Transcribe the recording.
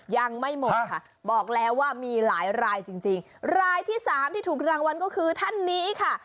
ยังไม่หมดค่ะบอกแล้วว่ามีหลายรายจริงจริงรายที่สามที่ถูกรางวัลก็คือท่านนี้ค่ะ